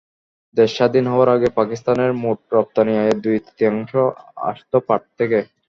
দেশ স্বাধীন হওয়ার আগে পাকিস্তানের মোট রপ্তানি আয়ের দুই-তৃতীয়াংশ আসত পাট থেকে।